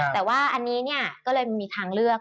แต่ว่าอันนี้เนี่ยก็เลยมีทางเลือก